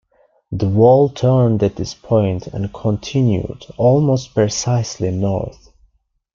The wall turned at this point and continued almost precisely north.